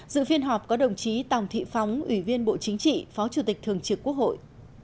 dự phiên họp có đồng chí tòng thị phóng ủy viên bộ chính trị phó chủ tịch thường trực quốc hội